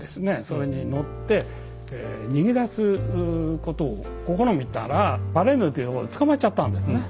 それに乗って逃げ出すことを試みたらヴァレンヌというとこで捕まっちゃったんですね。